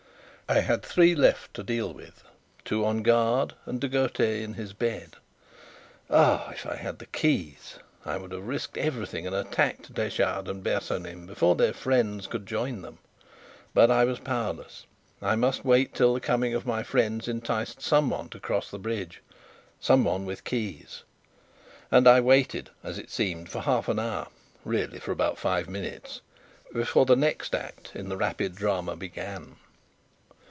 I had three left to deal with: two on guard and De Gautet in his bed. Ah, if I had the keys! I would have risked everything and attacked Detchard and Bersonin before their friends could join them. But I was powerless. I must wait till the coming of my friends enticed someone to cross the bridge someone with the keys. And I waited, as it seemed, for half an hour, really for about five minutes, before the next act in the rapid drama began.